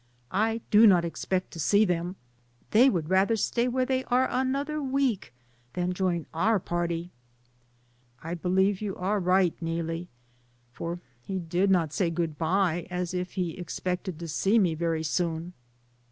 I do not expect to see them, they would rather stay where they are another week than join our party." "I believe you are right, Neelie, for he did not say good bye as if he expected to see me very soon."